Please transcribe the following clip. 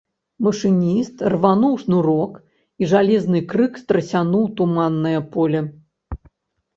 Машыніст рвануў шнурок, і жалезны крык страсянуў туманнае поле.